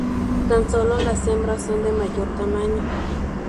Tan solo, las hembras son de mayor tamaño.